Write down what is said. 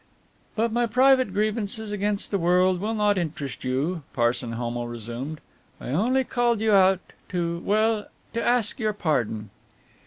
"But my private grievances against the world will not interest you," Parson Homo resumed, "I only called you out to well, to ask your pardon."